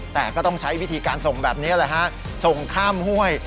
แต่ก็ต้องใช้วิธีการส่งแบบนี้แหละฮะส่งข้ามห้วย